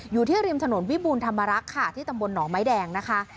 อยู่ที่ริมถนนวิบูรณธรรมรักษ์ค่ะที่ตำบลหนองไม้แดงนะคะ